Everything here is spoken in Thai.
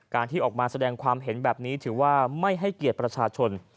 ที่ออกมาแสดงความเห็นแบบนี้ถือว่าไม่ให้เกียรติประชาชน